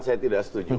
saya tidak setuju